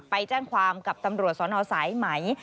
ไปแจ้งความกับตำรวจสนสายไหม